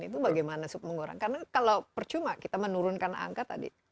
itu bagaimana mengurangi karena kalau percuma kita menurunkan angka tadi